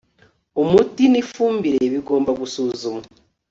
umuti n'ifumbire bigomba gusuzumwa